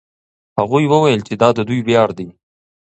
هغوی وویل چې دا د دوی ویاړ دی.